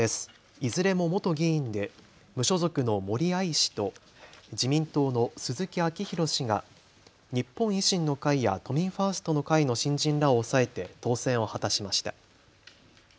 いずれも元議員で無所属の森愛氏と自民党の鈴木章浩氏が日本維新の会や都民ファーストの会の新人らを抑えて当選を果たしました。